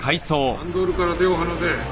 ハンドルから手を離せ！